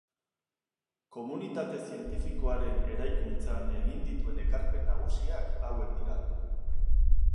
Komunitate zientifikoaren eraikuntzan egin dituen ekarpen nagusiak hauek dira.